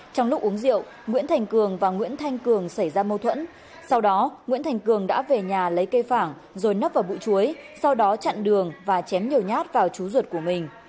trong lúc uống rượu nguyễn thành cường và nguyễn thanh cường xảy ra mâu thuẫn sau đó nguyễn thành cường đã về nhà lấy cây phảng rồi nấp vào bụi chuối sau đó chặn đường và chém nhiều nhát vào chú ruột của mình